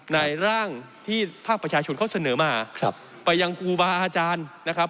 ร่างที่ภาคประชาชนเขาเสนอมาไปยังครูบาอาจารย์นะครับ